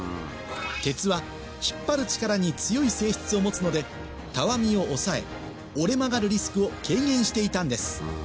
鉄は引っ張る力に強い性質を持つのでたわみを抑え折れ曲がるリスクを軽減していたんです